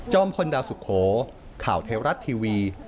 พลดาวสุโขข่าวเทวรัฐทีวี